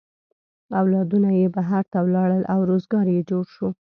اولادونه یې بهر ته ولاړل او روزگار یې جوړ شو.